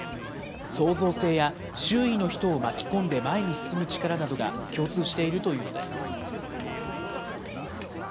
創造性や周囲の人を巻き込んで前に進む力などが共通しているというのです。